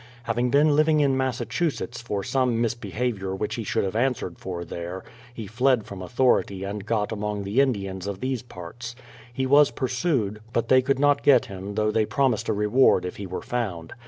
Having been living in Massachusetts, for some misbehav iour which he should have answered for there, he fled from authority and got among the Indians of these parts. He was pursued, but they could not get him, though they promised a reward if he were found.